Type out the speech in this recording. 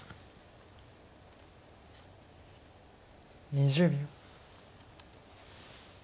２０秒。